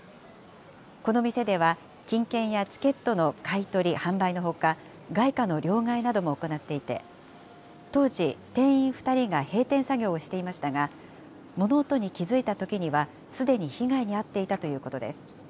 この店では金券やチケットの買い取り、販売のほか、外貨の両替なども行っていて、当時、店員２人が閉店作業をしていましたが、物音に気付いたときには、すでに被害に遭っていたということです。